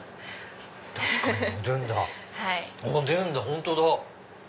本当だ！